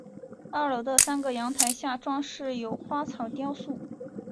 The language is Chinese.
二楼的三个阳台下装饰有花草雕塑。